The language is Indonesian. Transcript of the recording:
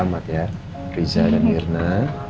selamat ya riza dan mirna